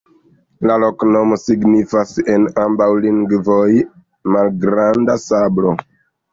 La loknomo signifas en ambaŭ lingvoj: malgranda sablo.